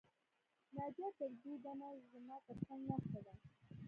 ناجیه تر دې دمه زما تر څنګ ناسته ده